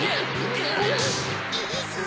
いいぞ！